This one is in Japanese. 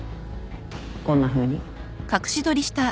こんなふうに。